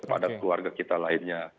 kepada keluarga kita lainnya